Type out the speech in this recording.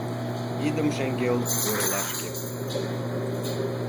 Идым шеҥгел куэрлашкем